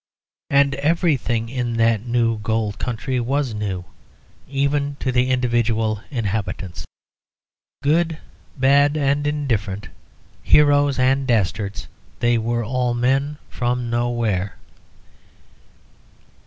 And everything in that new gold country was new, even to the individual inhabitants. Good, bad, and indifferent, heroes and dastards, they were all men from nowhere.